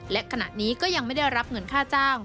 และขณะนี้ก็ยังไม่ได้รับเงินค่าจ้าง